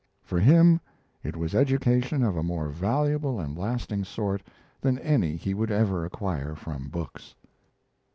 For him it was education of a more valuable and lasting sort than any he would ever acquire from books.